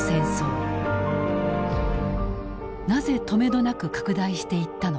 なぜとめどなく拡大していったのか。